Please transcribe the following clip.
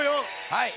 はい。